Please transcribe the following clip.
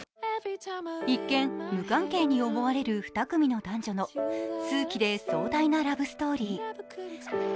一見、無関係に思われる２組の男女の数奇で壮大なラブストーリー。